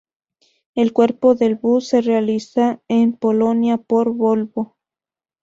El cuerpo del bus se realiza en Polonia por Volvo.